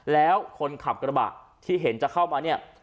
แล้วคนขับกระบาดที่เห็นจะเข้ามา